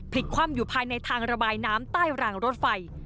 คว่ำอยู่ภายในทางระบายน้ำใต้รางรถไฟ